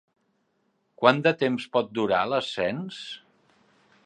Quant de temps pot durar l'ascens?